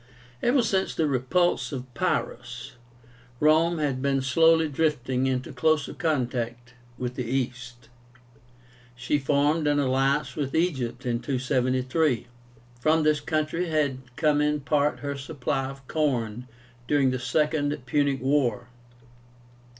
Ever since the repulse of Pyrrhus, Rome had been slowly drifting into closer contact with the East. She formed an alliance with Egypt in 273. From this country had come in part her supply of corn during the Second Punic War.